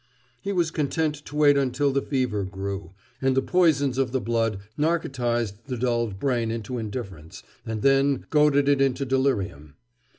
He was content to wait until the fever grew, and the poisons of the blood narcotized the dulled brain into indifference, and then goaded it into delirium.